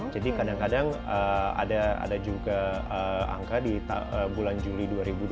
jadi kadang kadang ada juga angka di bulan juli dua ribu dua puluh satu